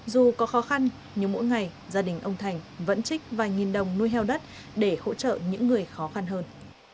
dù có khó khăn nhưng mỗi ngày gia đình ông thành vẫn trích vài nghìn đồng nuôi heo đất để hỗ trợ những người khó khăn hơn